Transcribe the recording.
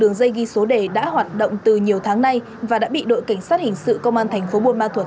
đường dây ghi số đề đã hoạt động từ nhiều tháng nay và đã bị đội cảnh sát hình sự công an tp bôn ma thuật